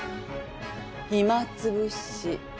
暇つぶし。